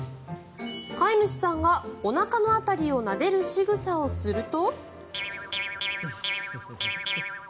飼い主さんが、おなかの辺りをなでるしぐさをすると。